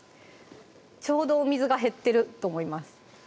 ちょうどお水が減ってると思います